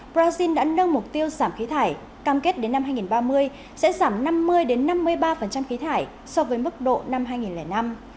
brazil đã nâng mục tiêu giảm khí thải cam kết đến năm hai nghìn ba mươi sẽ giảm năm mươi năm mươi ba khí thải so với mức độ năm hai nghìn năm